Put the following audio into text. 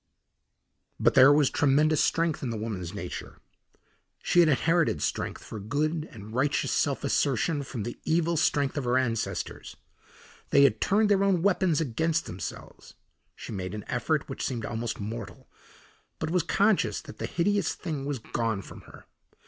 But there was tremendous strength in the woman's nature. She had inherited strength for good and righteous self assertion, from the evil strength of her ancestors. They had turned their own weapons against themselves. She made an effort which seemed almost mortal, but was conscious that the hideous thing was gone from her.